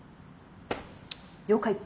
了解。